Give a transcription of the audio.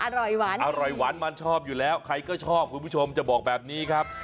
อร่อยหวานอร่อยหวานมันชอบอยู่แล้วใครก็ชอบคุณผู้ชมจะบอกแบบนี้ครับ